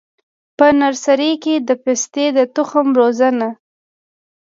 په نرسري کي د پستې د تخم روزنه: